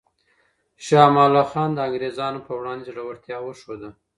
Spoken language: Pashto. شاه امان الله خان د انګریزانو په وړاندې زړورتیا وښوده.